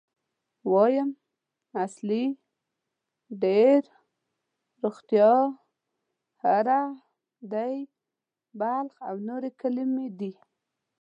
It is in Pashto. وایم، اصلي، ډېر، روغتیا، هره، دی، بلخ او نورې کلمې دي.